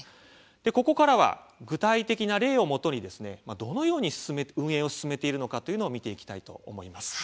ここからは具体的な例をもとにどのように運営を進めているのかというのを見ていきたいと思います。